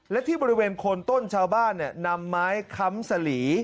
และที่บริเวณโคนต้นชาวบ้านนำไม้ค้ำสลี